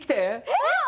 えっ！